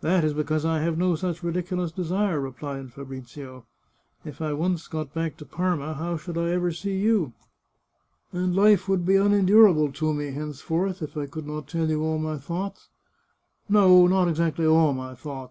That is because I have no such ridiculous desire," re plied Fabrizio. " If I once got back to Parma how should I ever see you? And life would be unendurable to me, henceforth, if I could not tell you all my thoughts. ... No, not exactly all my thoughts.